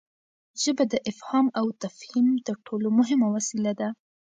ژبه د افهام او تفهیم تر ټولو مهمه وسیله ده.